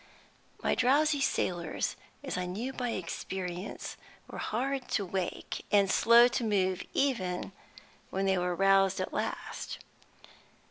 My drowsy sailors, as I knew by experience, were hard to wake, and slow to move even when they were roused at last.